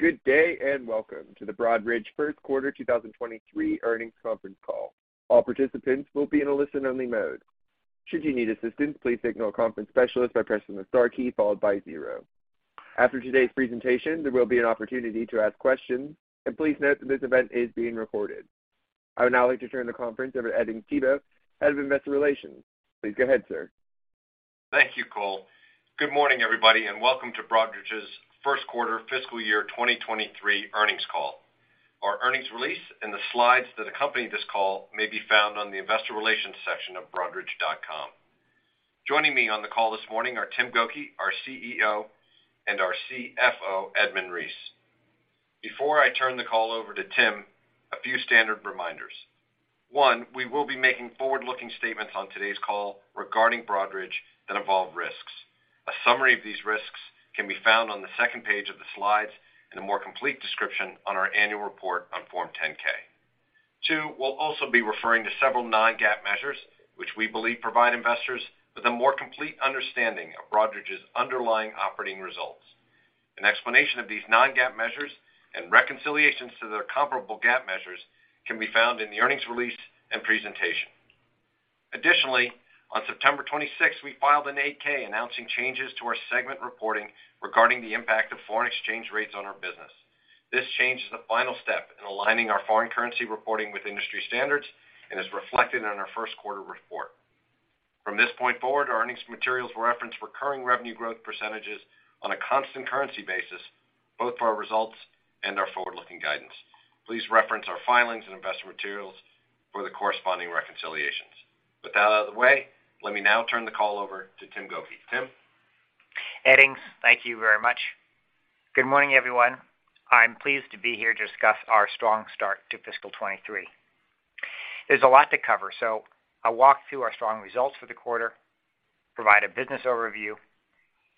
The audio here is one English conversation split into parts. Good day, and welcome to the Broadridge first quarter 2023 earnings conference call. All participants will be in a listen-only mode. Should you need assistance, please signal a conference specialist by pressing the star key followed by zero. After today's presentation, there will be an opportunity to ask questions, and please note that this event is being recorded. I would now like to turn the conference over to Edings Thibault, Head of Investor Relations. Please go ahead, sir. Thank you, Cole. Good morning, everybody, and welcome to Broadridge's first quarter fiscal year 2023 earnings call. Our earnings release and the slides that accompany this call may be found on the investor relations section of broadridge.com. Joining me on the call this morning are Tim Gokey, our CEO, and our CFO, Edmund Reese. Before I turn the call over to Tim, a few standard reminders. One, we will be making forward-looking statements on today's call regarding Broadridge that involve risks. A summary of these risks can be found on the second page of the slides and a more complete description on our annual report on Form 10-K. Two, we'll also be referring to several non-GAAP measures which we believe provide investors with a more complete understanding of Broadridge's underlying operating results. An explanation of these non-GAAP measures and reconciliations to their comparable GAAP measures can be found in the earnings release and presentation. Additionally, on September 26th, we filed an 8-K announcing changes to our segment reporting regarding the impact of foreign exchange rates on our business. This change is the final step in aligning our foreign currency reporting with industry standards and is reflected in our first quarter report. From this point forward, our earnings materials will reference recurring revenue growth percentages on a constant currency basis, both for our results and our forward-looking guidance. Please reference our filings and investment materials for the corresponding reconciliations. With that out of the way, let me now turn the call over to Tim Gokey. Tim? Edings, thank you very much. Good morning, everyone. I'm pleased to be here to discuss our strong start to fiscal 2023. There's a lot to cover, so I'll walk through our strong results for the quarter, provide a business overview,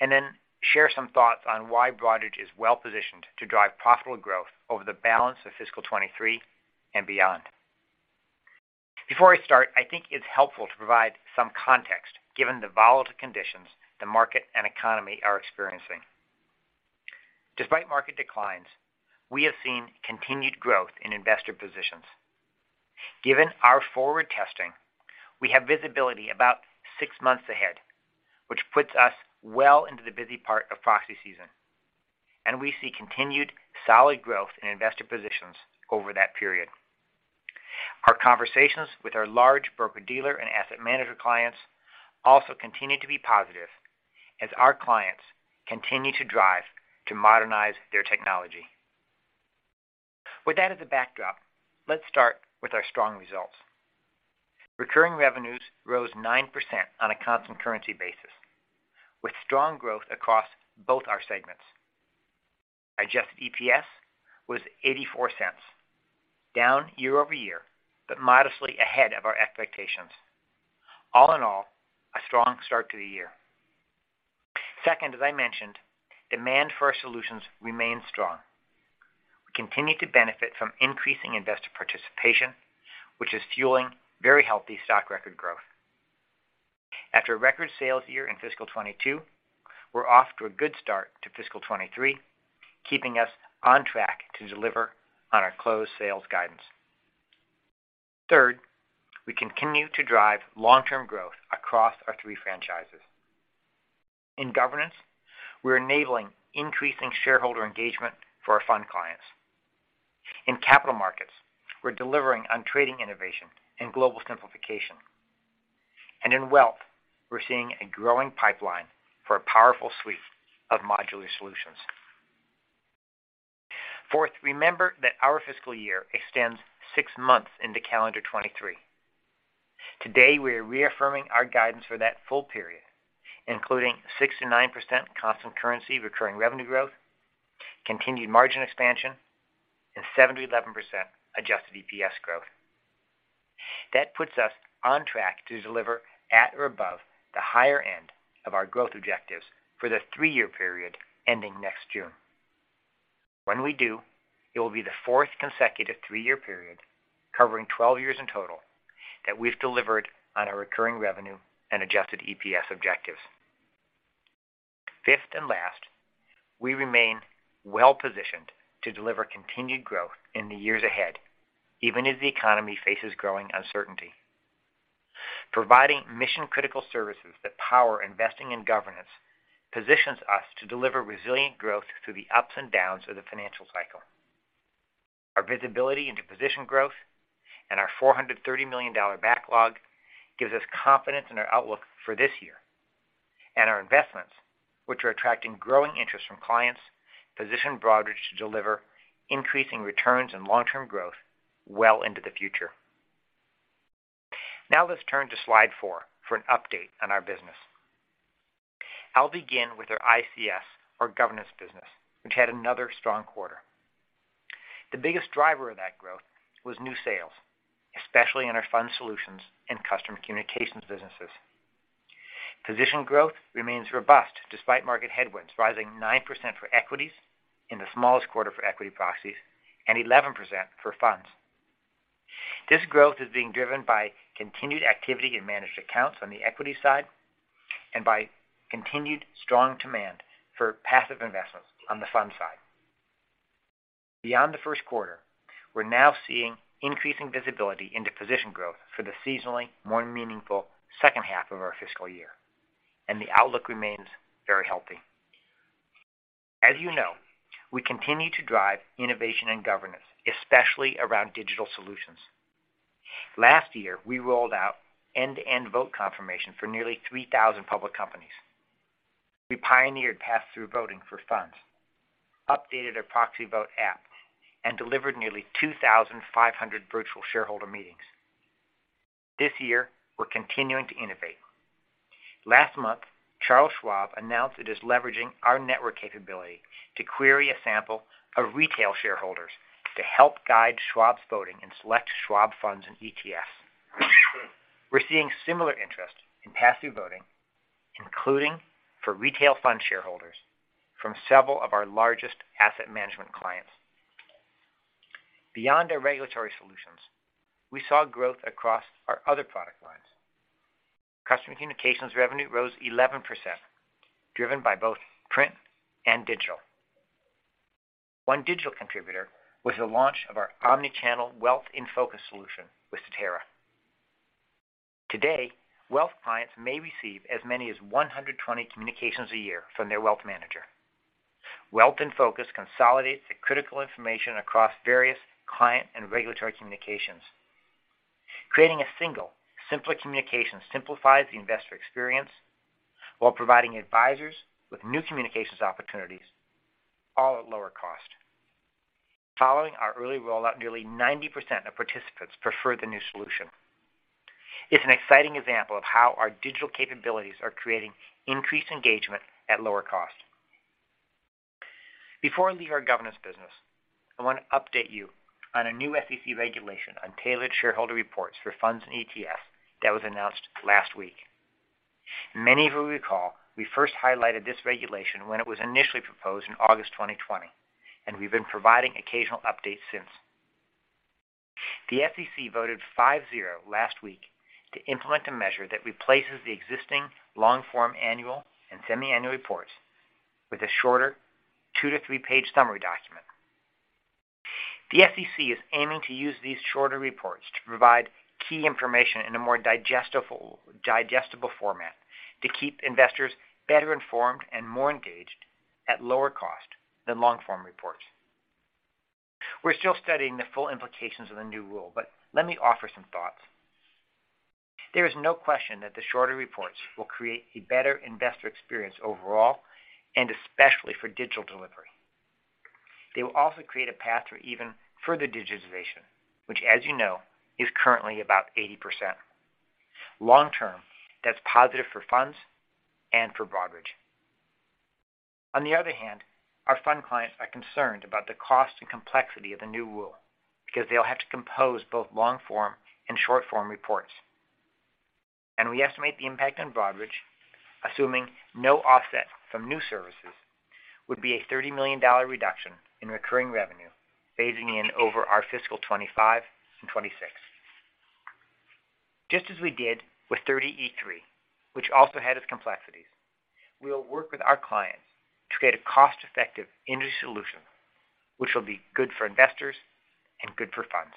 and then share some thoughts on why Broadridge is well-positioned to drive profitable growth over the balance of fiscal 2023 and beyond. Before I start, I think it's helpful to provide some context given the volatile conditions the market and economy are experiencing. Despite market declines, we have seen continued growth in investor positions. Given our forward testing, we have visibility about six months ahead, which puts us well into the busy part of proxy season, and we see continued solid growth in investor positions over that period. Our conversations with our large broker-dealer and asset manager clients also continue to be positive as our clients continue to drive to modernize their technology. With that as a backdrop, let's start with our strong results. Recurring revenues rose 9% on a constant currency basis, with strong growth across both our segments. Adjusted EPS was $0.84, down year-over-year, but modestly ahead of our expectations. All in all, a strong start to the year. Second, as I mentioned, demand for our solutions remains strong. We continue to benefit from increasing investor participation, which is fueling very healthy stock record growth. After a record sales year in fiscal 2022, we're off to a good start to fiscal 2023, keeping us on track to deliver on our closed sales guidance. Third, we continue to drive long-term growth across our three franchises. In governance, we're enabling increasing shareholder engagement for our fund clients. In capital markets, we're delivering on trading innovation and global simplification. In wealth, we're seeing a growing pipeline for a powerful suite of modular solutions. Fourth, remember that our fiscal year extends six months into calendar 2023. Today, we are reaffirming our guidance for that full period, including 6%-9% constant currency recurring revenue growth, continued margin expansion, and 7%-11% Adjusted EPS growth. That puts us on track to deliver at or above the higher end of our growth objectives for the three-year period ending next June. When we do, it will be the fourth consecutive three-year period, covering 12 years in total, that we've delivered on our recurring revenue and Adjusted EPS objectives. Fifth and last, we remain well-positioned to deliver continued growth in the years ahead, even as the economy faces growing uncertainty. Providing mission-critical services that power investing in governance positions us to deliver resilient growth through the ups and downs of the financial cycle. Our visibility into position growth and our $430 million backlog gives us confidence in our outlook for this year. Our investments, which are attracting growing interest from clients, position Broadridge to deliver increasing returns and long-term growth well into the future. Now let's turn to slide four for an update on our business. I'll begin with our ICS or governance business, which had another strong quarter. The biggest driver of that growth was new sales, especially in our fund solutions and customer communications businesses. Position growth remains robust despite market headwinds, rising 9% for equities in the smallest quarter for equity proxies and 11% for funds. This growth is being driven by continued activity in managed accounts on the equity side and by continued strong demand for passive investments on the fund side. Beyond the first quarter, we're now seeing increasing visibility into position growth for the seasonally more meaningful second half of our fiscal year, and the outlook remains very healthy. As you know, we continue to drive innovation and governance, especially around digital solutions. Last year, we rolled out end-to-end vote confirmation for nearly 3,000 public companies. We pioneered pass-through voting for funds, updated our ProxyVote app, and delivered nearly 2,500 virtual shareholder meetings. This year, we're continuing to innovate. Last month, Charles Schwab announced it is leveraging our network capability to query a sample of retail shareholders to help guide Schwab's voting in select Schwab funds and ETFs. We're seeing similar interest in pass-through voting, including for retail fund shareholders from several of our largest asset management clients. Beyond our regulatory solutions, we saw growth across our other product lines. Customer communications revenue rose 11%, driven by both print and digital. One digital contributor was the launch of our omni-channel Wealth InFocus solution with Cetera. Today, wealth clients may receive as many as 120 communications a year from their wealth manager. Wealth InFocus consolidates the critical information across various client and regulatory communications. Creating a single, simpler communication simplifies the investor experience while providing advisors with new communications opportunities, all at lower cost. Following our early rollout, nearly 90% of participants prefer the new solution. It's an exciting example of how our digital capabilities are creating increased engagement at lower cost. Before I leave our governance business, I want to update you on a new SEC regulation on tailored shareholder reports for funds and ETFs that was announced last week. Many of you recall we first highlighted this regulation when it was initially proposed in August 2020, and we've been providing occasional updates since. The SEC voted 5-0 last week to implement a measure that replaces the existing long-form annual and semi-annual reports with a shorter two-three-page summary document. The SEC is aiming to use these shorter reports to provide key information in a more digestible format to keep investors better informed and more engaged at lower cost than long-form reports. We're still studying the full implications of the new rule, but let me offer some thoughts. There is no question that the shorter reports will create a better investor experience overall, and especially for digital delivery. They will also create a path for even further digitization, which, as you know, is currently about 80%. Long-term, that's positive for funds and for Broadridge. On the other hand, our fund clients are concerned about the cost and complexity of the new rule because they'll have to compose both long-form and short-form reports. We estimate the impact on Broadridge, assuming no offset from new services, would be a $30 million reduction in recurring revenue phasing in over our fiscal 2025 and 2026. Just as we did with Rule 30e-3, which also had its complexities, we will work with our clients to create a cost-effective industry solution which will be good for investors and good for funds.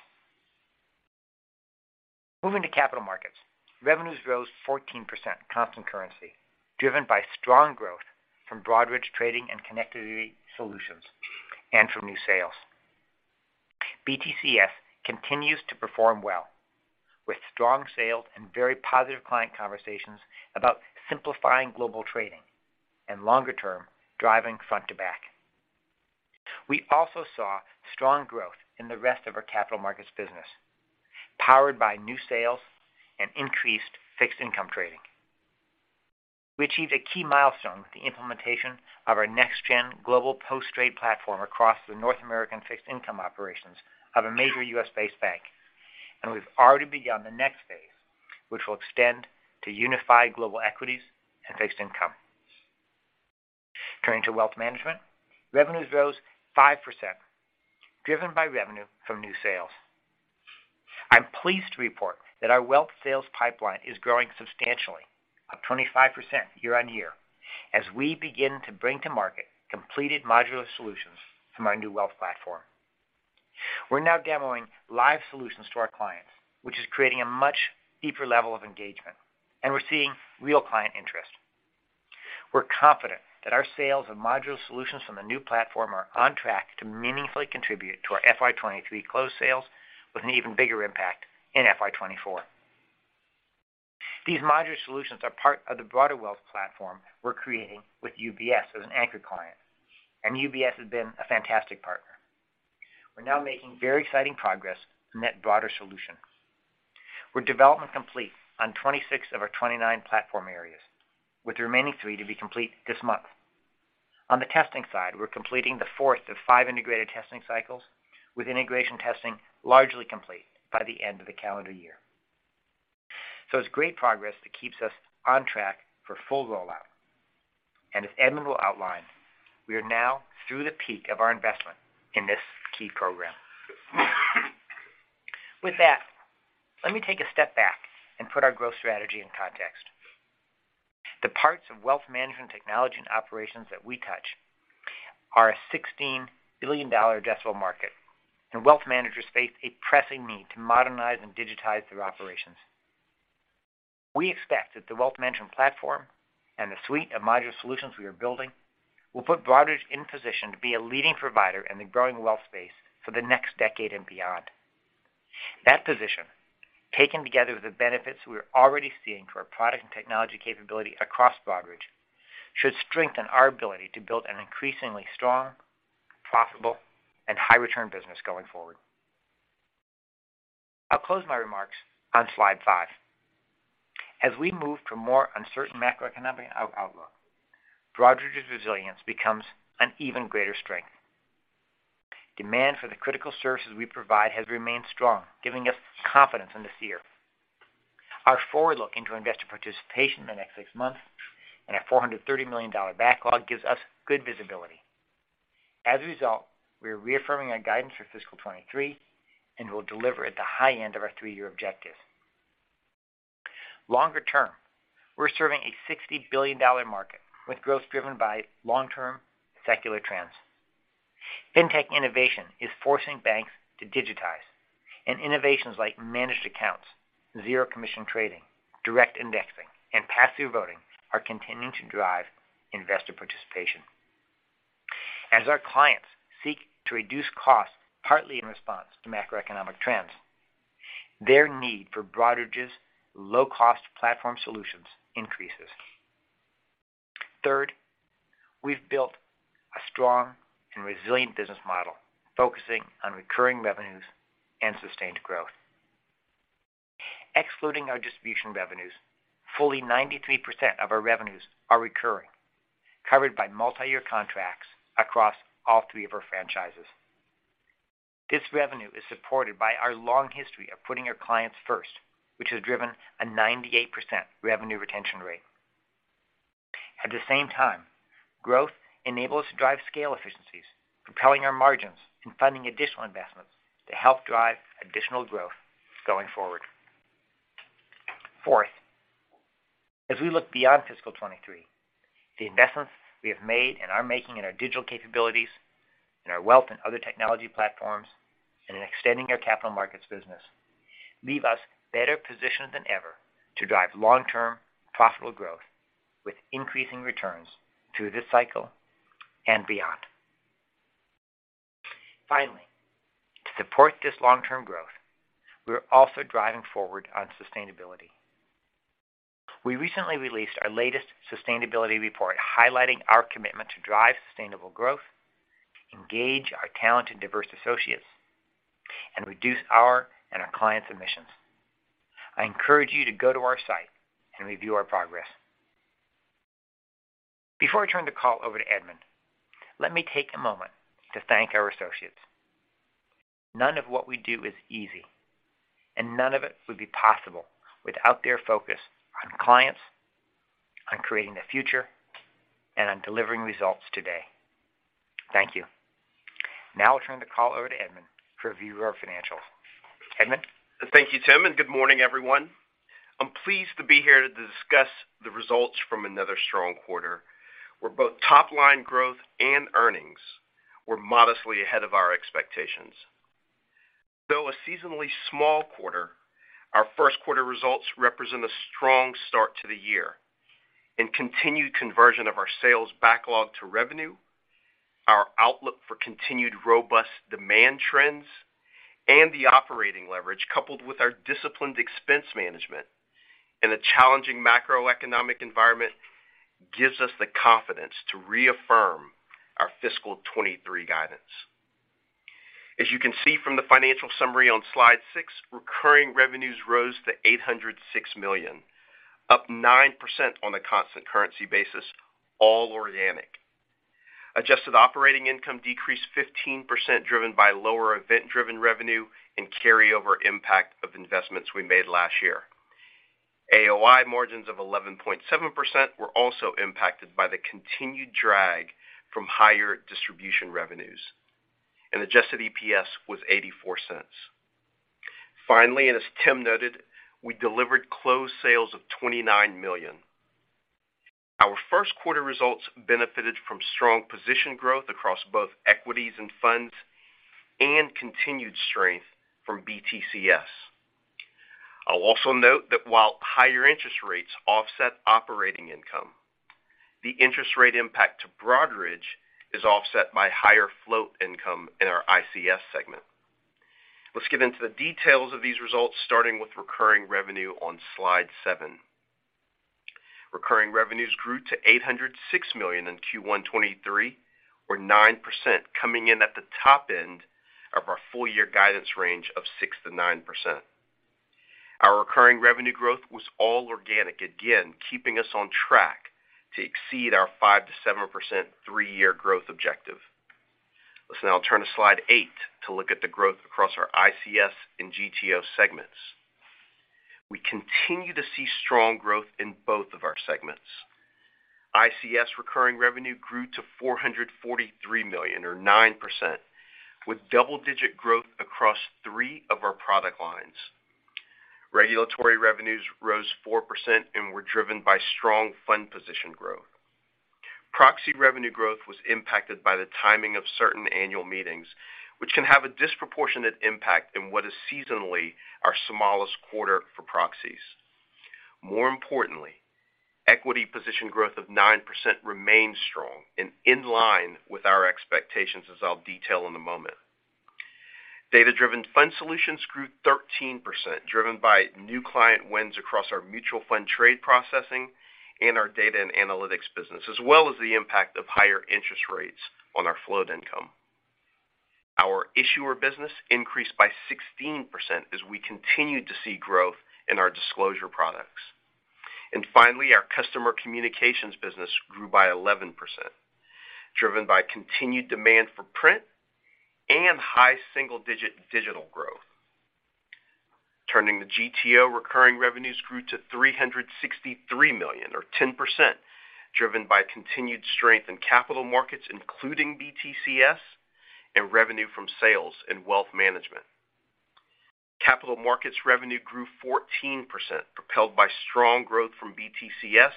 Moving to capital markets, revenues rose 14% constant currency, driven by strong growth from Broadridge Trading and Connectivity Solutions and from new sales. BTCS continues to perform well with strong sales and very positive client conversations about simplifying global trading and longer-term driving front to back. We also saw strong growth in the rest of our capital markets business, powered by new sales and increased fixed income trading. We achieved a key milestone with the implementation of our next gen global post-trade platform across the North American fixed income operations of a major U.S.-based bank. We've already begun the next phase, which will extend to unified global equities and fixed income. Turning to wealth management, revenues rose 5%, driven by revenue from new sales. I'm pleased to report that our wealth sales pipeline is growing substantially, up 25% year-over-year, as we begin to bring to market completed modular solutions from our new Wealth Platform. We're now demoing live solutions to our clients, which is creating a much deeper level of engagement, and we're seeing real client interest. We're confident that our sales and modular solutions from the new platform are on track to meaningfully contribute to our FY 2023 closed sales with an even bigger impact in FY 2024. These modular solutions are part of the broader Wealth Platform we're creating with UBS as an anchor client, and UBS has been a fantastic partner. We're now making very exciting progress in that broader solution. We're development complete on 26 of our 29 platform areas, with the remaining three to be complete this month. On the testing side, we're completing the fourth of five integrated testing cycles, with integration testing largely complete by the end of the calendar year. It's great progress that keeps us on track for full rollout. As Edmund will outline, we are now through the peak of our investment in this key program. With that, let me take a step back and put our growth strategy in context. The parts of wealth management technology and operations that we touch are a $16 billion addressable market, and wealth managers face a pressing need to modernize and digitize their operations. We expect that the wealth management platform and the suite of module solutions we are building will put Broadridge in position to be a leading provider in the growing wealth space for the next decade and beyond. That position, taken together with the benefits we are already seeing for our product and technology capability across Broadridge, should strengthen our ability to build an increasingly strong, profitable, and high return business going forward. I'll close my remarks on slide five. As we move to a more uncertain macroeconomic outlook, Broadridge's resilience becomes an even greater strength. Demand for the critical services we provide has remained strong, giving us confidence in this year. Our forward look into investor participation in the next six months and a $430 million dollar backlog gives us good visibility. As a result, we are reaffirming our guidance for fiscal 2023 and will deliver at the high end of our three-year objective. Longer term, we're serving a $60 billion market, with growth driven by long-term secular trends. Fintech innovation is forcing banks to digitize, and innovations like Managed Accounts, zero commission trading, Direct Indexing, and Pass-Through Voting are continuing to drive investor participation. As our clients seek to reduce costs, partly in response to macroeconomic trends, their need for Broadridge's low-cost platform solutions increases. Third, we've built a strong and resilient business model, focusing on recurring revenues and sustained growth. Excluding our distribution revenues, fully 93% of our revenues are recurring, covered by multi-year contracts across all three of our franchises. This revenue is supported by our long history of putting our clients first, which has driven a 98% revenue retention rate. At the same time, growth enables to drive scale efficiencies, propelling our margins and funding additional investments to help drive additional growth going forward. Fourth, as we look beyond fiscal 2023, the investments we have made and are making in our digital capabilities, in our wealth and other technology platforms, and in extending our capital markets business leave us better positioned than ever to drive long-term profitable growth with increasing returns through this cycle and beyond. Finally, to support this long-term growth, we are also driving forward on sustainability. We recently released our latest sustainability report highlighting our commitment to drive sustainable growth, engage our talented, diverse associates, and reduce our and our clients' emissions. I encourage you to go to our site and review our progress. Before I turn the call over to Edmund, let me take a moment to thank our associates. None of what we do is easy, and none of it would be possible without their focus on clients, on creating the future, and on delivering results today. Thank you. Now I'll turn the call over to Edmund to review our financials. Edmund? Thank you, Tim, and good morning, everyone. I'm pleased to be here to discuss the results from another strong quarter, where both top-line growth and earnings were modestly ahead of our expectations. Though a seasonally small quarter, our first quarter results represent a strong start to the year. Continued conversion of our sales backlog to revenue, our outlook for continued robust demand trends, and the operating leverage, coupled with our disciplined expense management in a challenging macroeconomic environment, gives us the confidence to reaffirm our fiscal 2023 guidance. As you can see from the financial summary on slide six, recurring revenues rose to $806 million, up 9% on a constant currency basis, all organic. Adjusted operating income decreased 15%, driven by lower event-driven revenue and carryover impact of investments we made last year. AOI margins of 11.7% were also impacted by the continued drag from higher distribution revenues, and adjusted EPS was $0.84. Finally, as Tim noted, we delivered closed sales of $29 million. Our first quarter results benefited from strong position growth across both equities and funds and continued strength from BTCS. I'll also note that while higher interest rates offset operating income, the interest rate impact to Broadridge is offset by higher float income in our ICS segment. Let's get into the details of these results, starting with recurring revenue on slide seven. Recurring revenues grew to $806 million in Q1 2023 or 9%, coming in at the top end of our full year guidance range of 6%-9%. Our recurring revenue growth was all organic, again, keeping us on track to exceed our 5%-7% three-year growth objective. Let's now turn to slide eight to look at the growth across our ICS and GTO segments. We continue to see strong growth in both of our segments. ICS recurring revenue grew to $443 million or 9%, with double-digit growth across three of our product lines. Regulatory revenues rose 4% and were driven by strong fund position growth. Proxy revenue growth was impacted by the timing of certain annual meetings, which can have a disproportionate impact in what is seasonally our smallest quarter for proxies. More importantly, equity position growth of 9% remains strong and in line with our expectations, as I'll detail in a moment. Data-driven fund solutions grew 13%, driven by new client wins across our mutual fund trade processing and our data and analytics business, as well as the impact of higher interest rates on our float income. Our issuer business increased by 16% as we continued to see growth in our disclosure products. Finally, our Customer Communications business grew by 11%, driven by continued demand for print and high single-digit digital growth. Turning to GTO, recurring revenues grew to $363 million or 10%, driven by continued strength in capital markets, including BTCS and revenue from sales and wealth management. Capital markets revenue grew 14%, propelled by strong growth from BTCS,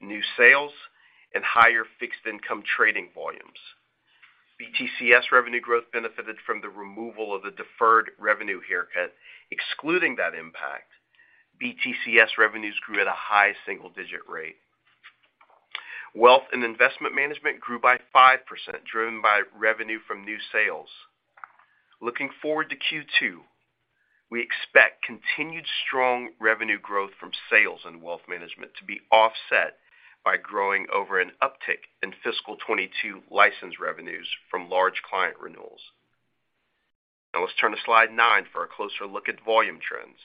new sales, and higher fixed income trading volumes. BTCS revenue growth benefited from the removal of the deferred revenue haircut. Excluding that impact, BTCS revenues grew at a high single-digit rate. Wealth and investment management grew by 5%, driven by revenue from new sales. Looking forward to Q2, we expect continued strong revenue growth from sales and wealth management to be offset by growth over an uptick in fiscal 2022 license revenues from large client renewals. Now let's turn to slide 9 for a closer look at volume trends.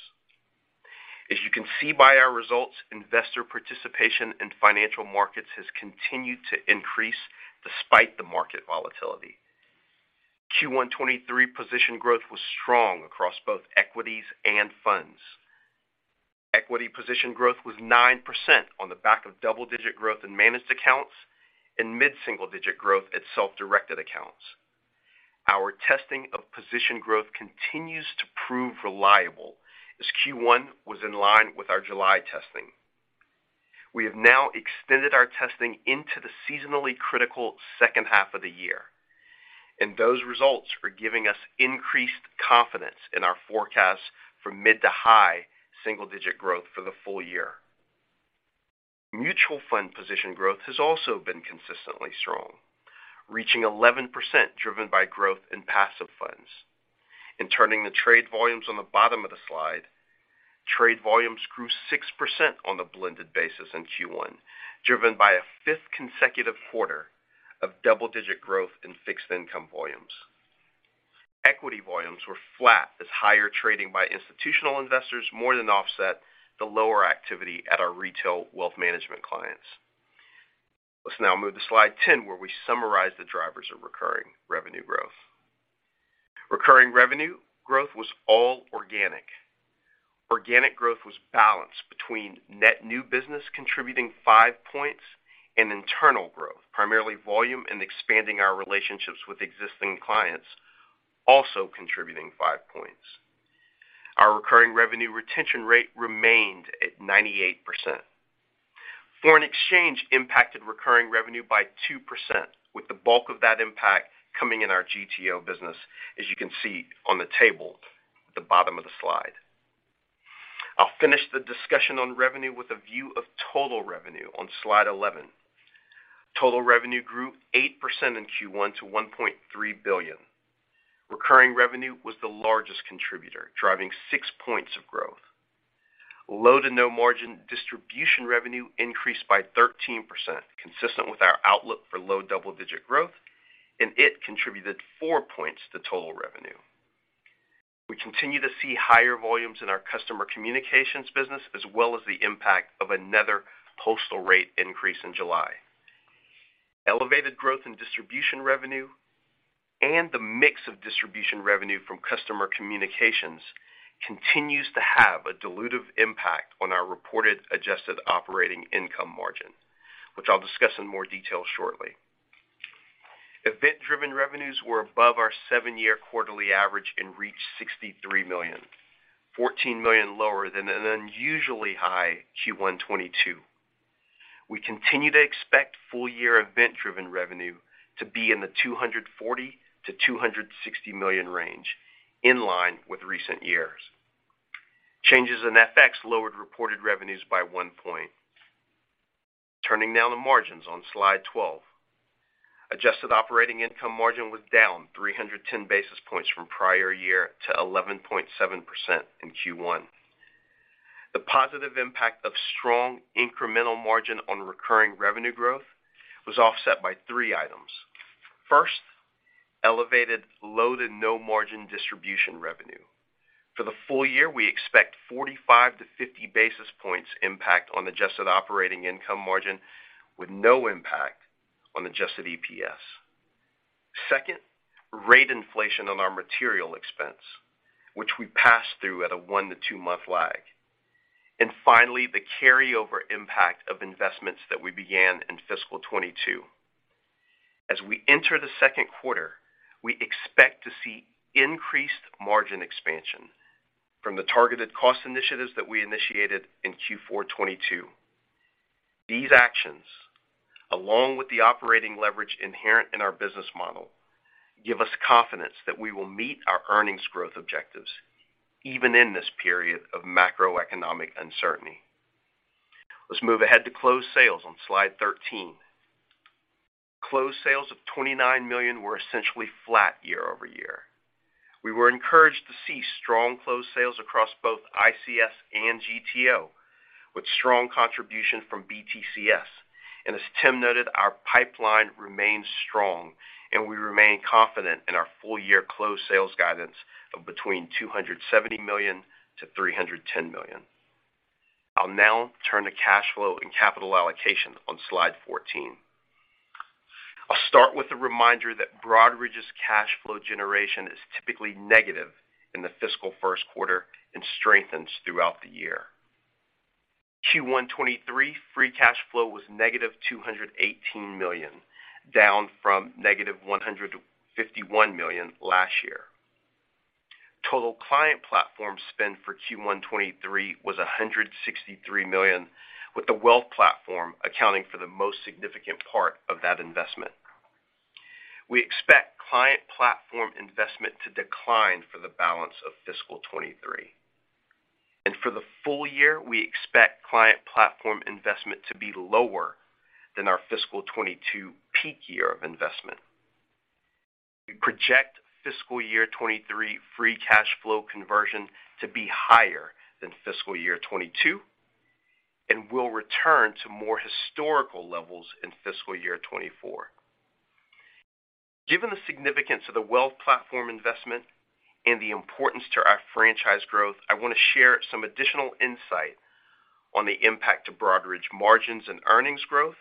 As you can see by our results, investor participation in financial markets has continued to increase despite the market volatility. Q1 2023 position growth was strong across both equities and funds. Equity position growth was 9% on the back of double-digit growth in managed accounts and mid-single-digit growth at self-directed accounts. Our estimate of position growth continues to prove reliable as Q1 was in line with our July estimate. We have now extended our testing into the seasonally critical second half of the year, and those results are giving us increased confidence in our forecast from mid- to high single-digit growth for the full year. Mutual fund position growth has also been consistently strong, reaching 11% driven by growth in passive funds. In turning the trade volumes on the bottom of the slide, trade volumes grew 6% on a blended basis in Q1, driven by a fifth consecutive quarter of double-digit growth in fixed income volumes. Equity volumes were flat as higher trading by institutional investors more than offset the lower activity at our retail wealth management clients. Let's now move to slide 10, where we summarize the drivers of recurring revenue growth. Recurring revenue growth was all organic. Organic growth was balanced between net new business contributing five points and internal growth, primarily volume and expanding our relationships with existing clients, also contributing five points. Our recurring revenue retention rate remained at 98%. Foreign exchange impacted recurring revenue by 2%, with the bulk of that impact coming in our GTO business, as you can see on the table at the bottom of the slide. I'll finish the discussion on revenue with a view of total revenue on slide 11. Total revenue grew 8% in Q1 to $1.3 billion. Recurring revenue was the largest contributor, driving six points of growth. Low to no-margin distribution revenue increased by 13%, consistent with our outlook for low double-digit growth, and it contributed four points to total revenue. We continue to see higher volumes in our Customer Communications business, as well as the impact of another postal rate increase in July. Elevated growth in distribution revenue and the mix of distribution revenue from Customer Communications continues to have a dilutive impact on our reported adjusted operating income margin, which I'll discuss in more detail shortly. Event-driven revenues were above our seven-year quarterly average and reached $63 million, $14 million lower than an unusually high Q1 2022. We continue to expect full-year event-driven revenue to be in the $240 million-$260 million range, in line with recent years. Changes in FX lowered reported revenues by one point. Turning now to margins on slide 12. Adjusted operating income margin was down 310 basis points from prior year to 11.7% in Q1. The positive impact of strong incremental margin on recurring revenue growth was offset by three items. First, elevated low to no-margin distribution revenue. For the full year, we expect 45-50 basis points impact on adjusted operating income margin, with no impact on Adjusted EPS. Second, rate inflation on our material expense, which we pass through at a one to two-month lag. Finally, the carryover impact of investments that we began in fiscal 2022. As we enter the second quarter, we expect to see increased margin expansion from the targeted cost initiatives that we initiated in Q4 2022. These actions, along with the operating leverage inherent in our business model, give us confidence that we will meet our earnings growth objectives even in this period of macroeconomic uncertainty. Let's move ahead to closed sales on slide 13. Closed sales of $29 million were essentially flat year-over-year. We were encouraged to see strong closed sales across both ICS and GTO, with strong contribution from BTCS. As Tim noted, our pipeline remains strong, and we remain confident in our full year closed sales guidance of between $270 million-$310 million. I'll now turn to cash flow and capital allocation on slide 14. I'll start with a reminder that Broadridge's cash flow generation is typically negative in the fiscal first quarter and strengthens throughout the year. Q1 2023 free cash flow was negative $218 million, down from negative $151 million last year. Total client platform spend for Q1 2023 was $163 million, with the wealth platform accounting for the most significant part of that investment. We expect client platform investment to decline for the balance of fiscal 2023. For the full year, we expect client platform investment to be lower than our fiscal 2022 peak year of investment. We project fiscal year 2023 free cash flow conversion to be higher than fiscal year 2022, and will return to more historical levels in fiscal year 2024. Given the significance of the wealth platform investment and the importance to our franchise growth, I want to share some additional insight on the impact to Broadridge margins and earnings growth,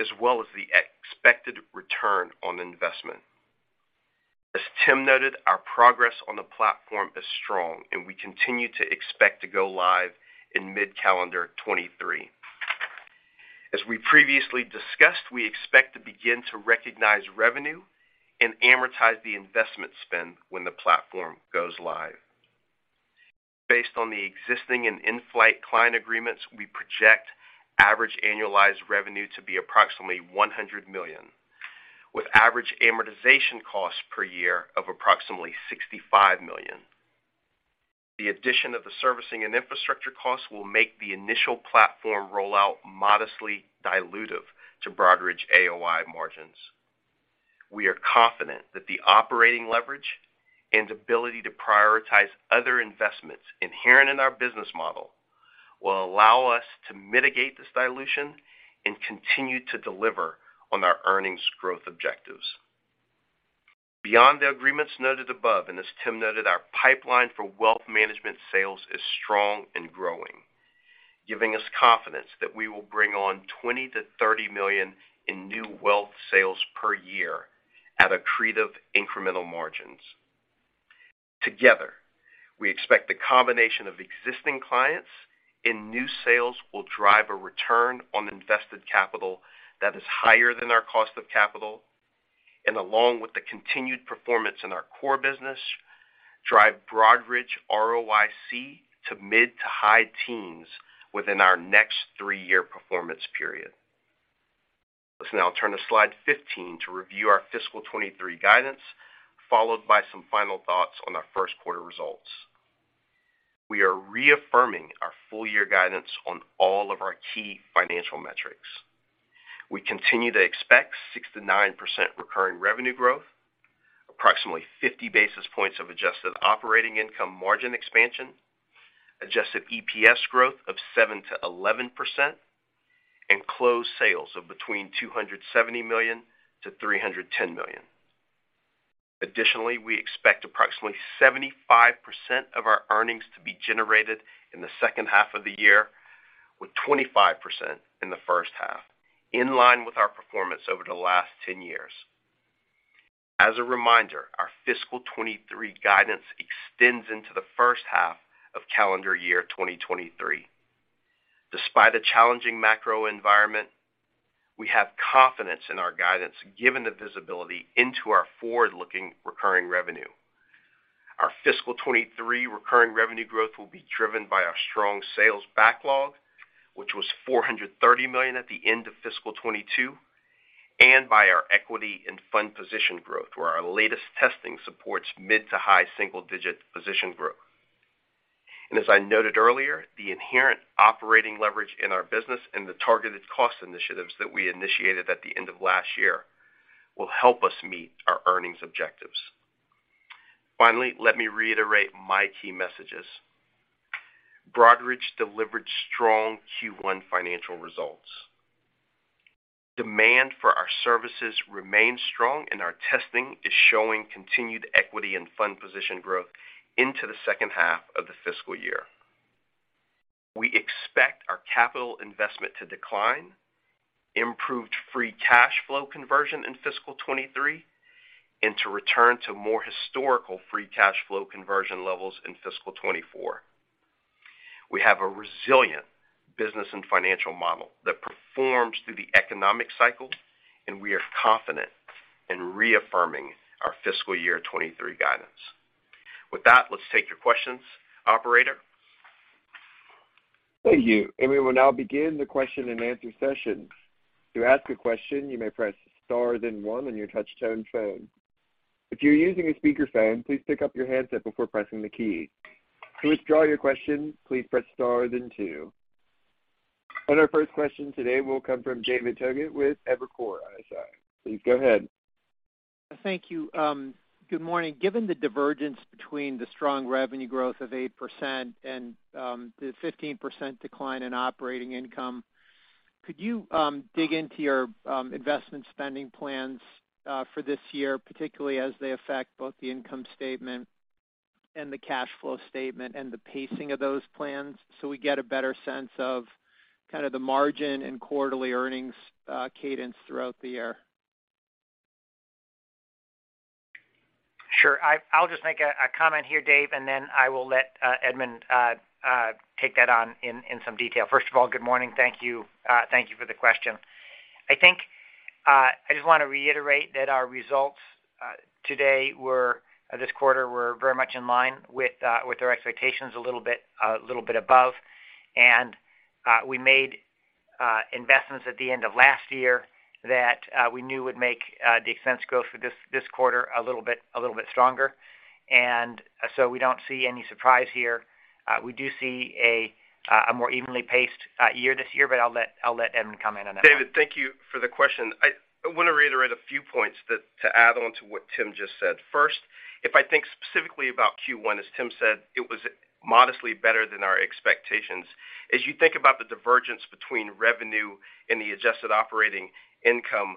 as well as the expected return on investment. As Tim noted, our progress on the platform is strong, and we continue to expect to go live in mid-calendar 2023. As we previously discussed, we expect to begin to recognize revenue and amortize the investment spend when the platform goes live. Based on the existing and in-flight client agreements, we project average annualized revenue to be approximately $100 million, with average amortization costs per year of approximately $65 million. The addition of the servicing and infrastructure costs will make the initial platform rollout modestly dilutive to Broadridge AOI margins. We are confident that the operating leverage and ability to prioritize other investments inherent in our business model will allow us to mitigate this dilution and continue to deliver on our earnings growth objectives. Beyond the agreements noted above, and as Tim noted, our pipeline for wealth management sales is strong and growing, giving us confidence that we will bring on $20 million-$30 million in new wealth sales per year at accretive incremental margins. Together, we expect the combination of existing clients and new sales will drive a return on invested capital that is higher than our cost of capital, and along with the continued performance in our core business, drive Broadridge ROIC to mid- to high-teens within our next three-year performance period. Let's now turn to slide 15 to review our fiscal 2023 guidance, followed by some final thoughts on our first quarter results. We are reaffirming our full year guidance on all of our key financial metrics. We continue to expect 6%-9% recurring revenue growth, approximately 50 basis points of adjusted operating income margin expansion, adjusted EPS growth of 7%-11%, and closed sales of between $270 million and $310 million. Additionally, we expect approximately 75% of our earnings to be generated in the second half of the year, with 25% in the first half, in line with our performance over the last 10 years. As a reminder, our fiscal 2023 guidance extends into the first half of calendar year 2023. Despite a challenging macro environment, we have confidence in our guidance given the visibility into our forward-looking recurring revenue. Our fiscal 2023 recurring revenue growth will be driven by our strong sales backlog, which was $430 million at the end of fiscal 2022, and by our equity and fund position growth, where our latest testing supports mid to high single digit position growth. As I noted earlier, the inherent operating leverage in our business and the targeted cost initiatives that we initiated at the end of last year will help us meet our earnings objectives. Finally, let me reiterate my key messages. Broadridge delivered strong Q1 financial results. Demand for our services remains strong, and our testing is showing continued equity and fund position growth into the second half of the fiscal year. We expect our capital investment to decline, improved Free Cash Flow conversion in fiscal 2023, and to return to more historical Free Cash Flow conversion levels in fiscal 2024. We have a resilient business and financial model that performs through the economic cycle, and we are confident in reaffirming our fiscal year 2023 guidance. With that, let's take your questions, operator. Thank you. We will now begin the question-and-answer session. To ask a question, you may press star then one on your touch-tone phone. If you're using a speakerphone, please pick up your handset before pressing the key. To withdraw your question, please press star then two. Our first question today will come from David Togut with Evercore ISI. Please go ahead. Thank you. Good morning. Given the divergence between the strong revenue growth of 8% and the 15% decline in operating income, could you dig into your investment spending plans for this year, particularly as they affect both the income statement and the cash flow statement and the pacing of those plans so we get a better sense of kind of the margin and quarterly earnings cadence throughout the year? Sure. I'll just make a comment here, Dave, and then I will let Edmund Reese take that on in some detail. First of all, good morning. Thank you for the question. I think I just wanna reiterate that our results this quarter were very much in line with our expectations a little bit above. We made investments at the end of last year that we knew would make the expense growth for this quarter a little bit stronger. We don't see any surprise here. We do see a more evenly paced year this year, but I'll let Edmund comment on that. David, thank you for the question. I wanna reiterate a few points that to add on to what Tim just said. First, if I think specifically about Q1, as Tim said, it was modestly better than our expectations. As you think about the divergence between revenue and the adjusted operating income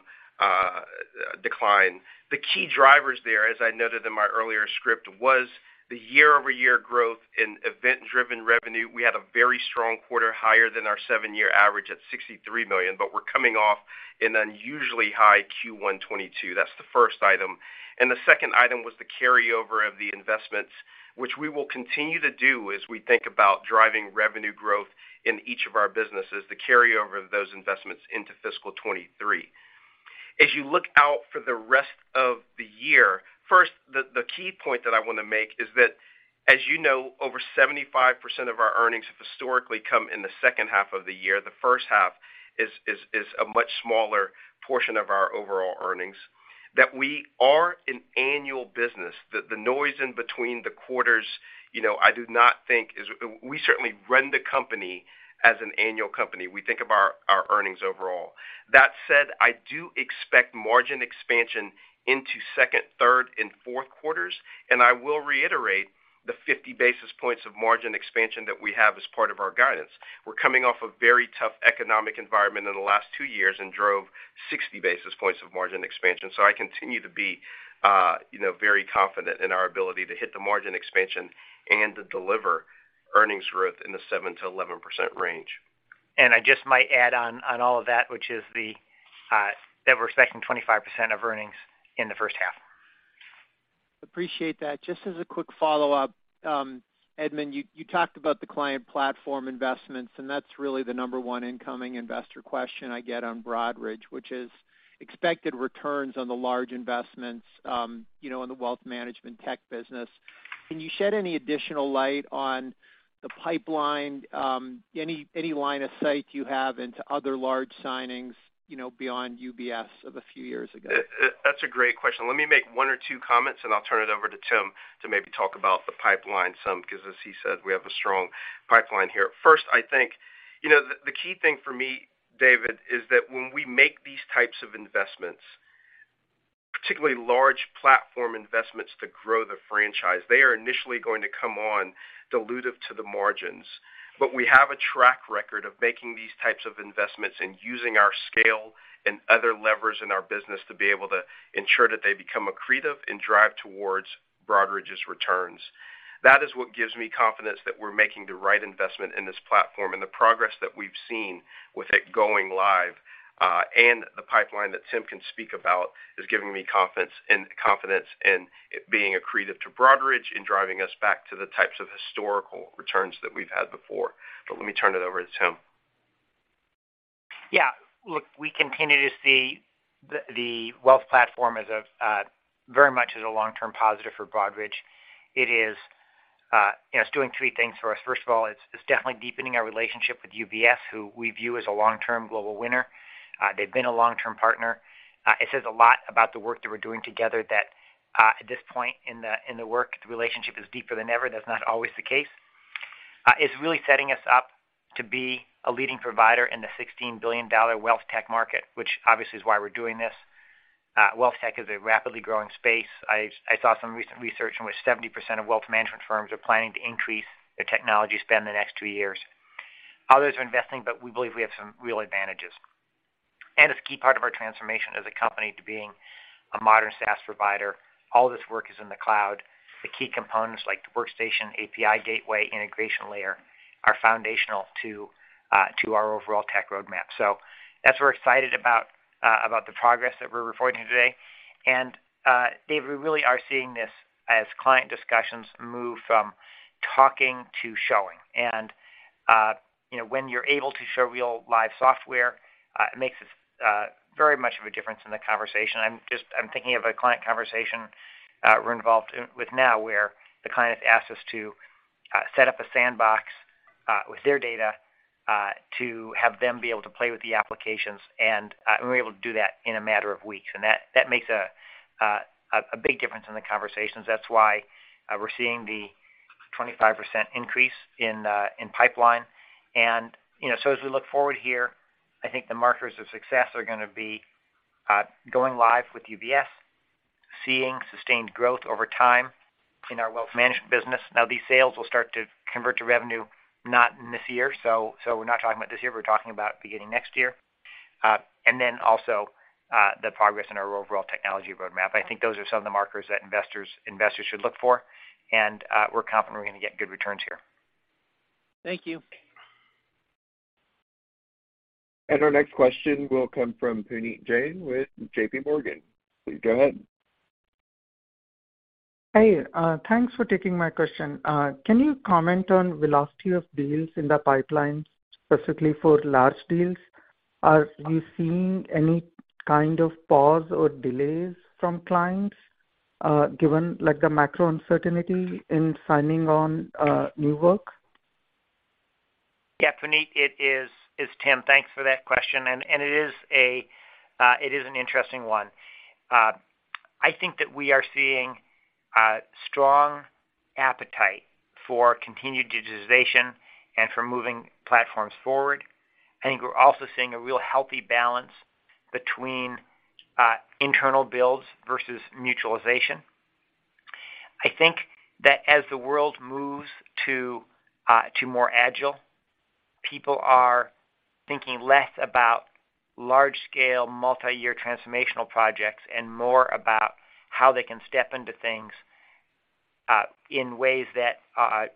decline, the key drivers there, as I noted in my earlier script, was the year-over-year growth in event-driven revenue. We had a very strong quarter, higher than our seven-year average at $63 million, but we're coming off an unusually high Q1 2022. That's the first item. The second item was the carryover of the investments, which we will continue to do as we think about driving revenue growth in each of our businesses, the carryover of those investments into fiscal 2023. As you look out for the rest of the year, first, the key point that I wanna make is that, as you know, over 75% of our earnings have historically come in the second half of the year. The first half is a much smaller portion of our overall earnings. That we are an annual business. The noise in between the quarters, you know, I do not think. We certainly run the company as an annual company. We think of our earnings overall. That said, I do expect margin expansion into second, third, and fourth quarters, and I will reiterate the 50 basis points of margin expansion that we have as part of our guidance. We're coming off a very tough economic environment in the last two years and drove 60 basis points of margin expansion. So I continue to be, you know, very confident in our ability to hit the margin expansion and to deliver earnings growth in the 7%-11% range. I just might add on all of that, which is that we're expecting 25% of earnings in the first half. Appreciate that. Just as a quick follow-up, Edmund, you talked about the client platform investments, and that's really the number one incoming investor question I get on Broadridge, which is expected returns on the large investments, you know, in the wealth management tech business. Can you shed any additional light on the pipeline, any line of sight you have into other large signings, you know, beyond UBS of a few years ago? That's a great question. Let me make one or two comments, and I'll turn it over to Tim to maybe talk about the pipeline some, 'cause as he said, we have a strong pipeline here. First, I think, you know, the key thing for me, David, is that when we make these types of investments, particularly large platform investments to grow the franchise, they are initially going to come on dilutive to the margins. We have a track record of making these types of investments and using our scale and other levers in our business to be able to ensure that they become accretive and drive towards Broadridge's returns. That is what gives me confidence that we're making the right investment in this platform, and the progress that we've seen with it going live, and the pipeline that Tim can speak about is giving me confidence, and confidence in it being accretive to Broadridge and driving us back to the types of historical returns that we've had before. Let me turn it over to Tim. Yeah. Look, we continue to see the wealth platform as a very much as a long-term positive for Broadridge. It is, you know, it's doing three things for us. First of all, it's definitely deepening our relationship with UBS, who we view as a long-term global winner. They've been a long-term partner. It says a lot about the work that we're doing together that at this point in the work, the relationship is deeper than ever. That's not always the case. It's really setting us up to be a leading provider in the $16 billion wealth tech market, which obviously is why we're doing this. Wealth tech is a rapidly growing space. I saw some recent research in which 70% of wealth management firms are planning to increase their technology spend in the next two years. Others are investing, but we believe we have some real advantages. It's a key part of our transformation as a company to being a modern SaaS provider. All this work is in the cloud. The key components like the workstation, API gateway, integration layer are foundational to our overall tech roadmap. That's what we're excited about the progress that we're reporting today. David Togut, we really are seeing this as client discussions move from talking to showing. you know, when you're able to show real live software, it makes very much of a difference in the conversation. I'm thinking of a client conversation we're involved in now, where the client has asked us to set up a sandbox with their data to have them be able to play with the applications, and we're able to do that in a matter of weeks. That makes a big difference in the conversations. That's why we're seeing the 25% increase in pipeline. You know, as we look forward here, I think the markers of success are gonna be going live with UBS, seeing sustained growth over time in our wealth management business. These sales will start to convert to revenue not in this year, so we're not talking about this year, we're talking about beginning next year. And then also, the progress in our overall technology roadmap. I think those are some of the markers that investors should look for, and we're confident we're gonna get good returns here. Thank you. Our next question will come from Puneet Jain with JPMorgan. Please go ahead. Hi. Thanks for taking my question. Can you comment on velocity of deals in the pipeline, specifically for large deals? Are you seeing any kind of pause or delays from clients, given like the macro uncertainty in signing on, new work? Yeah, Puneet, it's Tim, thanks for that question. It is an interesting one. I think that we are seeing a strong appetite for continued digitization and for moving platforms forward. I think we're also seeing a real healthy balance between internal builds versus mutualization. I think that as the world moves to more agile, people are thinking less about large scale multi-year transformational projects and more about how they can step into things in ways that are,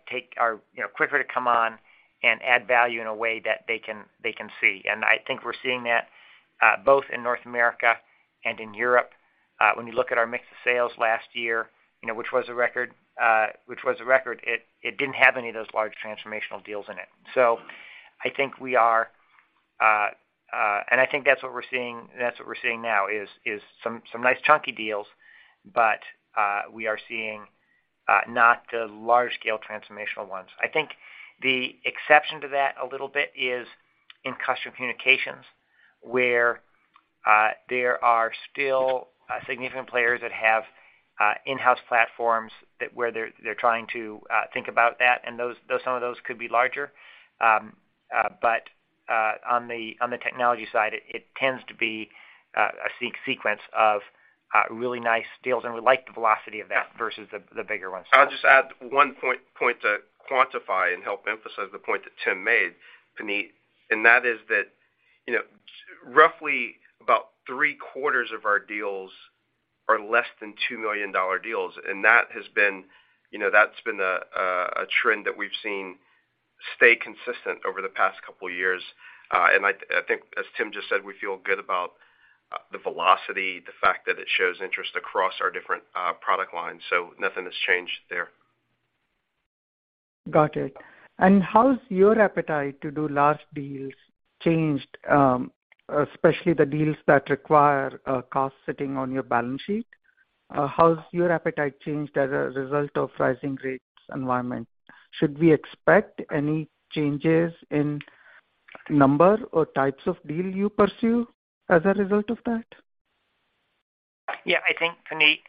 you know, quicker to come on and add value in a way that they can see. I think we're seeing that both in North America and in Europe. When you look at our mix of sales last year, you know, which was a record, it didn't have any of those large transformational deals in it. I think that's what we're seeing now is some nice chunky deals, but we are seeing not the large scale transformational ones. I think the exception to that a little bit is in Customer Communications, where there are still significant players that have in-house platforms where they're trying to think about that, and those, some of those could be larger. But on the technology side, it tends to be a sequence of really nice deals, and we like the velocity of that versus the bigger ones. I'll just add one point to quantify and help emphasize the point that Tim made, Puneet, and that is that, you know, roughly about three-quarters of our deals are less than $2 million deals, and that has been, you know, that's been a trend that we've seen stay consistent over the past couple of years. I think, as Tim just said, we feel good about the velocity, the fact that it shows interest across our different product lines, so nothing has changed there. Got it. How's your appetite to do large deals changed, especially the deals that require a cost sitting on your balance sheet? How's your appetite changed as a result of rising rates environment? Should we expect any changes in number or types of deal you pursue as a result of that? Yeah. I think, Puneet,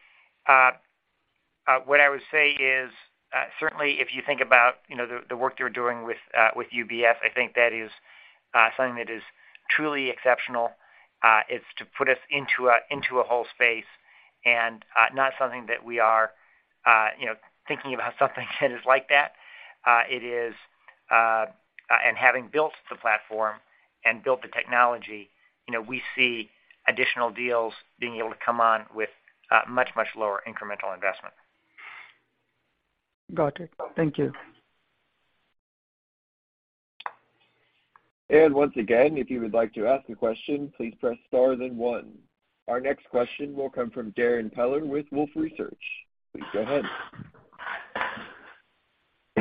what I would say is, certainly if you think about, you know, the work you're doing with UBS, I think that is something that is truly exceptional. It's to put us into a whole space and not something that we are, you know, thinking about something that is like that. It is, and having built the platform and built the technology, you know, we see additional deals being able to come on with much lower incremental investment. Got it. Thank you. Once again, if you would like to ask a question, please press star then one. Our next question will come from Darrin Peller with Wolfe Research. Please go ahead.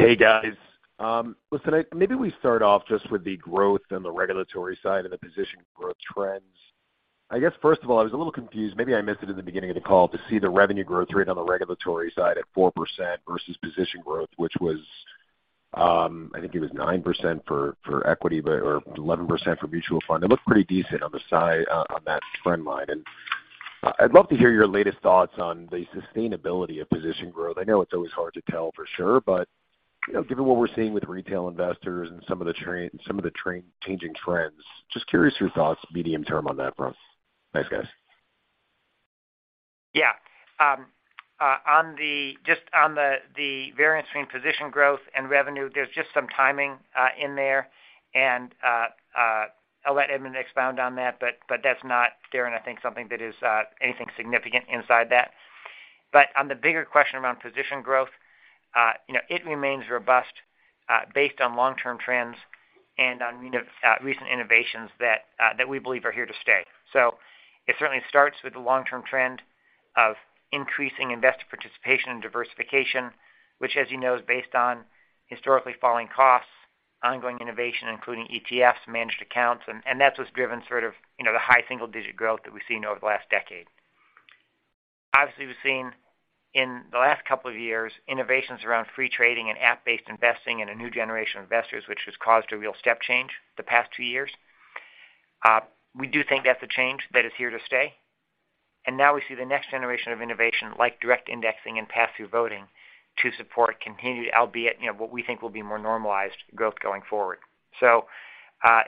Hey, guys. Listen, maybe we start off just with the growth on the regulatory side and the position growth trends. I guess, first of all, I was a little confused. Maybe I missed it in the beginning of the call to see the revenue growth rate on the regulatory side at 4% versus position growth, which was, I think it was 9% for equity or 11% for mutual fund. It looked pretty decent on the side, on that trend line. I'd love to hear your latest thoughts on the sustainability of position growth. I know it's always hard to tell for sure, but, you know, given what we're seeing with retail investors and some of the changing trends, just curious your thoughts medium-term on that for us. Thanks, guys. Just on the variance between position growth and revenue, there's just some timing in there. I'll let Edmund expound on that, but that's not, Darrin, I think something that is anything significant inside that. On the bigger question around position growth, you know, it remains robust based on long-term trends and on, you know, recent innovations that we believe are here to stay. It certainly starts with the long-term trend of increasing investor participation and diversification, which as you know, is based on historically falling costs, ongoing innovation, including ETFs, managed accounts, and that's what's driven sort of, you know, the high single-digit growth that we've seen over the last decade. Obviously, we've seen in the last couple of years innovations around free trading and app-based investing in a new generation of investors, which has caused a real step change in the past two years. We do think that's a change that is here to stay. Now we see the next generation of innovation like direct indexing and pass-through voting to support continued, albeit what we think will be more normalized growth going forward. I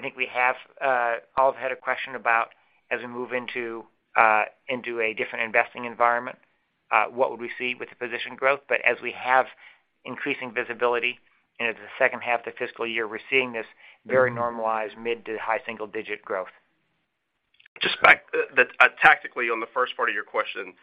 think we all have had a question about, as we move into a different investing environment, what would we see with the position growth. As we have increasing visibility into the second half of the fiscal year, we're seeing this very normalized mid to high-single-digit growth. Tactically, on the first part of your question,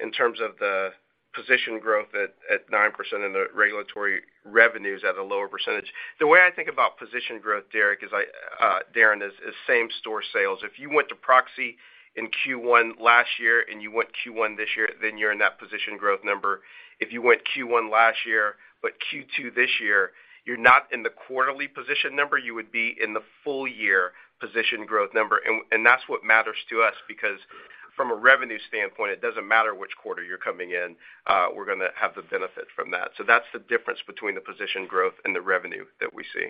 in terms of the position growth at nine percent and the regulatory revenues at a lower percentage. The way I think about position growth, Darrin, is same store sales. If you went to proxy in Q1 last year and you went Q1 this year, then you're in that position growth number. If you went Q1 last year, but Q2 this year, you're not in the quarterly position number, you would be in the full year position growth number. That's what matters to us because from a revenue standpoint, it doesn't matter which quarter you're coming in, we're gonna have the benefit from that. That's the difference between the position growth and the revenue that we see.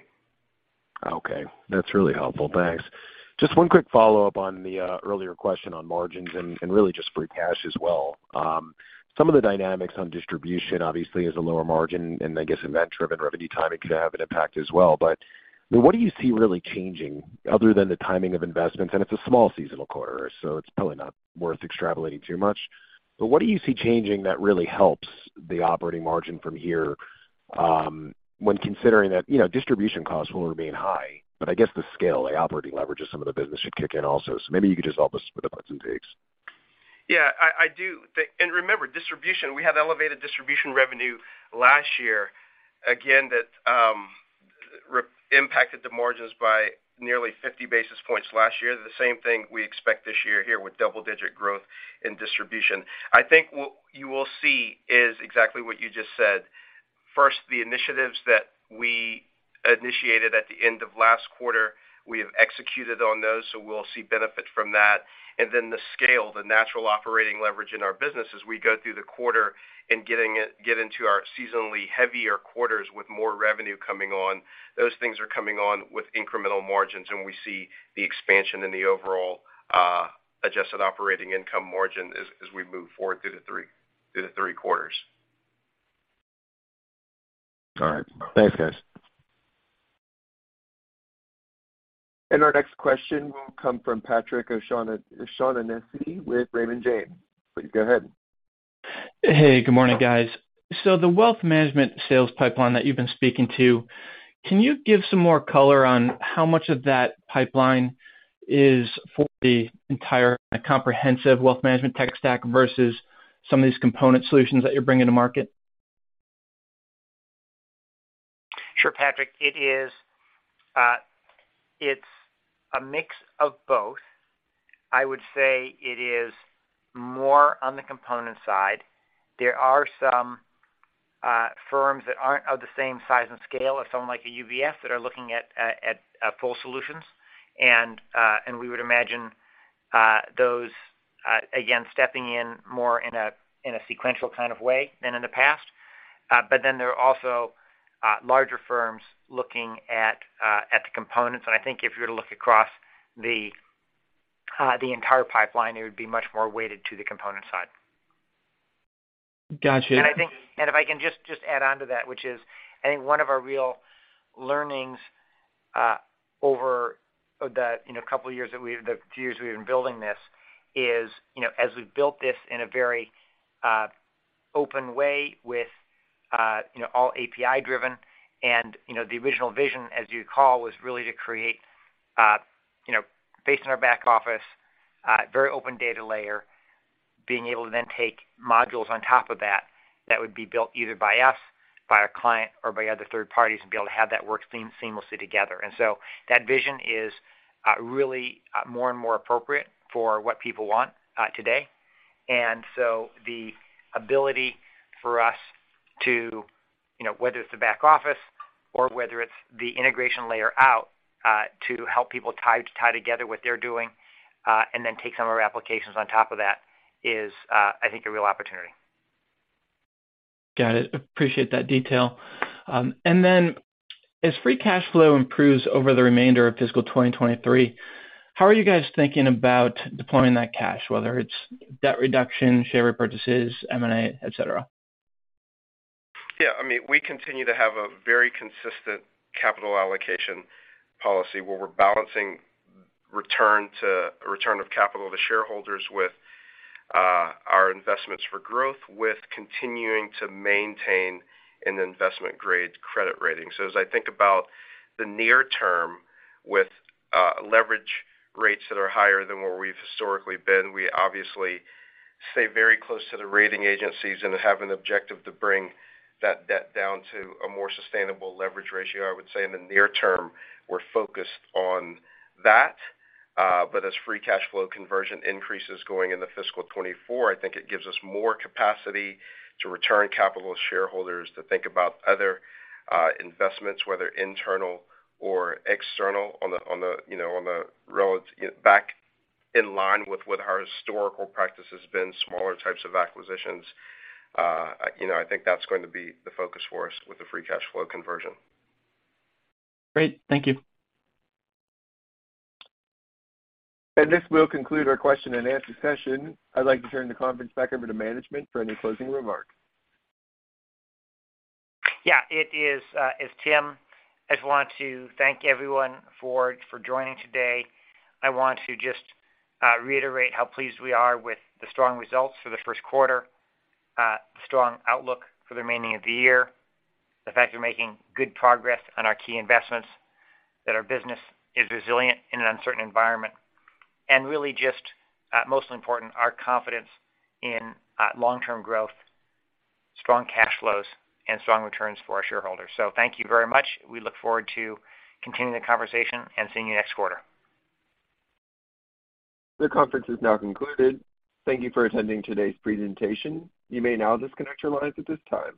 Okay. That's really helpful. Thanks. Just one quick follow-up on the earlier question on margins and really just free cash as well. Some of the dynamics on distribution obviously is a lower margin, and I guess event-driven revenue timing could have an impact as well. What do you see really changing other than the timing of investments? It's a small seasonal quarter, so it's probably not worth extrapolating too much. What do you see changing that really helps the operating margin from here, when considering that, you know, distribution costs will remain high, but I guess the scale, the operating leverage of some of the business should kick in also. Maybe you could just help us with the buts and takes. Yeah, I do. Remember, distribution, we had elevated distribution revenue last year. Again, that impacted the margins by nearly 50 basis points last year. The same thing we expect this year here with double-digit growth in distribution. I think what you will see is exactly what you just said. First, the initiatives that we initiated at the end of last quarter, we have executed on those, so we'll see benefit from that. Then the scale, the natural operating leverage in our business as we go through the quarter and get into our seasonally heavier quarters with more revenue coming on. Those things are coming on with incremental margins, and we see the expansion in the overall adjusted operating income margin as we move forward through the three quarters. All right. Thanks, guys. Our next question will come from Patrick O'Shaughnessy with Raymond James. Please go ahead. Hey, good morning, guys. The wealth management sales pipeline that you've been speaking to, can you give some more color on how much of that pipeline is for the entire comprehensive wealth management tech stack versus some of these component solutions that you're bringing to market? Sure, Patrick. It is a mix of both. I would say it is more on the component side. There are some firms that aren't of the same size and scale as someone like a UBS that are looking at full solutions. We would imagine those again stepping in more in a sequential kind of way than in the past. There are also larger firms looking at the components. I think if you were to look across the entire pipeline, it would be much more weighted to the component side. Got you. And I think, and if I can just add on to that, which is, I think one of our real learnings over the you know few years we've been building this is, you know, as we've built this in a very open way with you know all API driven. The original vision, as you call, was really to create you know based on our back office very open data layer, being able to then take modules on top of that that would be built either by us, by our client or by other third parties and be able to have that work seamlessly together. That vision is really more and more appropriate for what people want today. The ability for us to, you know, whether it's the back office or whether it's the integration layer out, to help people tie together what they're doing, and then take some of our applications on top of that is, I think a real opportunity. Got it. Appreciate that detail. As free cash flow improves over the remainder of fiscal 2023, how are you guys thinking about deploying that cash, whether it's debt reduction, share repurchases, M&A, et cetera? Yeah, I mean, we continue to have a very consistent capital allocation policy where we're balancing return of capital to shareholders with our investments for growth, with continuing to maintain an investment-grade credit rating. As I think about the near term with leverage rates that are higher than where we've historically been, we obviously stay very close to the rating agencies and have an objective to bring that debt down to a more sustainable leverage ratio. I would say in the near term, we're focused on that. As free cash flow conversion increases going into fiscal 2024, I think it gives us more capacity to return capital to shareholders to think about other investments, whether internal or external on the, you know, on the road back in line with what our historical practice has been, smaller types of acquisitions. You know, I think that's going to be the focus for us with the Free Cash Flow conversion. Great. Thank you. This will conclude our question-and-answer session. I'd like to turn the conference back over to management for any closing remarks. Yeah. It is, it's Tim. I just want to thank everyone for joining today. I want to just reiterate how pleased we are with the strong results for the first quarter, strong outlook for the remaining of the year. The fact we're making good progress on our key investments, that our business is resilient in an uncertain environment, and really just most important, our confidence in long-term growth, strong cash flows, and strong returns for our shareholders. Thank you very much. We look forward to continuing the conversation and seeing you next quarter. The conference is now concluded. Thank you for attending today's presentation. You may now disconnect your lines at this time.